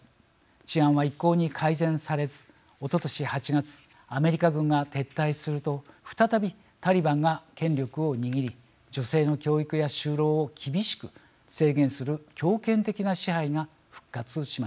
治安は一向に改善されずおととし８月アメリカ軍が撤退すると再びタリバンが権力を握り女性の教育や就労を厳しく制限する強権的な支配が復活しました。